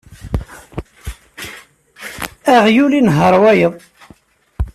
Aɣyul inehheṛ wayeḍ.